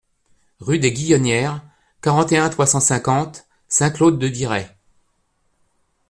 Rue des Guillonnières, quarante et un, trois cent cinquante Saint-Claude-de-Diray